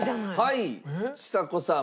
はいちさ子さん。